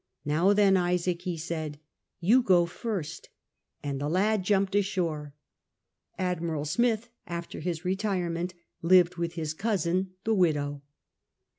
"Now then, Isaac," he said, "you go first" And the lad jumped ashore. Admiral Smith after his retire ment lived with his cousin the widow.